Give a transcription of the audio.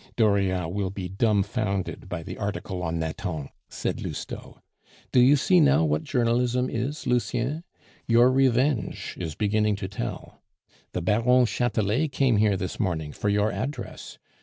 '" "Dauriat will be dumfounded by the article on Nathan," said Lousteau. "Do you see now what journalism is, Lucien? Your revenge is beginning to tell. The Baron Chatelet came here this morning for your address.